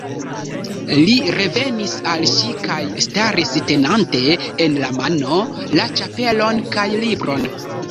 Li revenis al ŝi kaj staris, tenante en la mano la ĉapelon kaj libron.